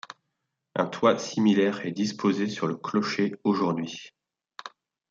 Un toit similaire est disposé sur le clocher aujourd'hui.